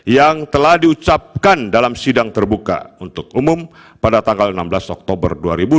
yang telah diucapkan dalam sidang terbuka untuk umum pada tanggal enam belas oktober dua ribu dua puluh